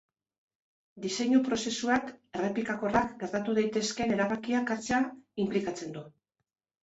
Diseinu-prozesuak errepikakorrak gertatu daitezkeen erabakiak hartzea inplikatzen du.